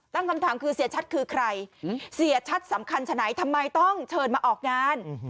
ตั้งคำถามคือเสียชัดคือใครเสียชัดสำคัญฉะไหนทำไมต้องเชิญมาออกงาน